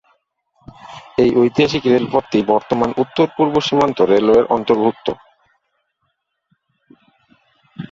এই ঐতিহাসিক রেলপথটি বর্তমান উত্তর-পূর্ব সীমান্ত রেলওয়ের অন্তর্ভুক্ত।